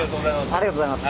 ありがとうございます。